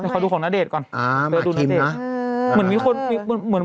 ขอดูของณเดชน์ก่อนอ่ามาดูนะเหมือนมีคนเหมือนเหมือน